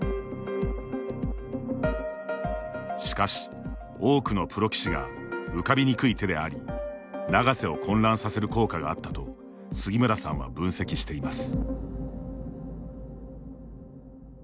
しかし、多くのプロ棋士が浮かびにくい手であり永瀬を混乱させる効果があったと杉村さんは分析しています。